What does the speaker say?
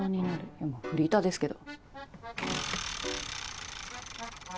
いやもうフリーターですけど。